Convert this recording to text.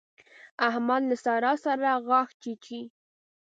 احمد له سارا سره غاښ چيچي.